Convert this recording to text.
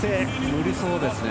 無理そうですね。